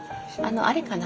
あれかな？